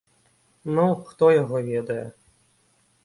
Ну, хто яго ведае.